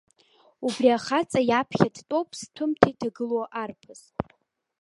Убри ахаҵа иаԥхьа дтәоуп зҭәымҭа иҭагылоу арԥыск.